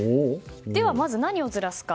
ではまず、何をずらすか。